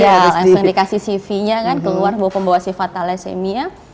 iya langsung dikasih cv nya kan keluar bawa pembawa sifat thalassemia